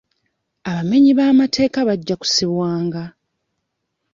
Abamenyi b'amateeka bajja kusibwanga.